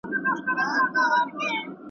اوس هغه ښکلی کابل.